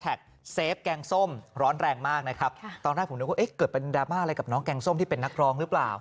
เซฟแกงส้มร้อนแรงมากนะครับตอนแรกผมนึกว่าเอ๊ะเกิดเป็นดราม่าอะไรกับน้องแกงส้มที่เป็นนักร้องหรือเปล่า